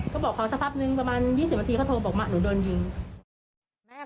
ก็บอกเขาสักพักนึงประมาณ๒๐นาทีเขาโทรบอกว่าหนูโดนยิง